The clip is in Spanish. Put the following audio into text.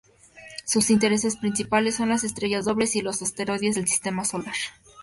Sus intereses principales son las estrellas dobles y los asteroides del sistema solar.